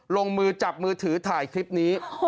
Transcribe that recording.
ลงมือจับมือถือถ่ายคลิปนี้